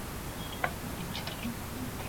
আমরা বড় বড় শুঁড় দেখেছি!